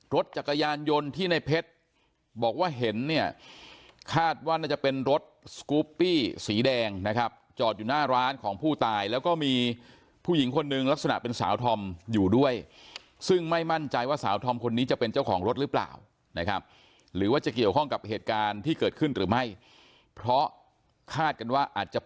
รถจักรยานยนต์ที่ในเพชรบอกว่าเห็นเนี่ยคาดว่าน่าจะเป็นรถสกูปปี้สีแดงนะครับจอดอยู่หน้าร้านของผู้ตายแล้วก็มีผู้หญิงคนหนึ่งลักษณะเป็นสาวธอมอยู่ด้วยซึ่งไม่มั่นใจว่าสาวธอมคนนี้จะเป็นเจ้าของรถหรือเปล่านะครับหรือว่าจะเกี่ยวข้องกับเหตุการณ์ที่เกิดขึ้นหรือไม่เพราะคาดกันว่าอาจจะ